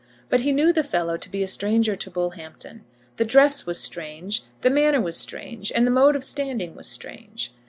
But he knew the fellow to be a stranger to Bullhampton. The dress was strange, the manner was strange, and the mode of standing was strange.